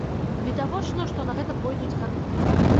Відавочна, што на гэта пойдуць гады.